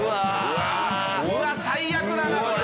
うわっ最悪だなこれ！